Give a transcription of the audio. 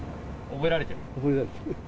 覚えられている。